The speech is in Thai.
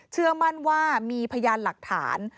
เชื่อมั่นว่ามีพยานหลักฐาน